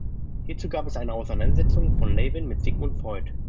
Hierzu gab es eine Auseinandersetzung von Lewin mit Sigmund Freud.